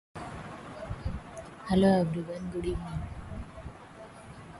Later his statue was installed in Brumunddal where he grew up.